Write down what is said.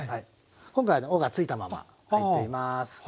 今回尾がついたまま入っています。